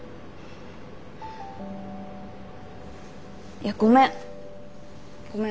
いやごめんごめん。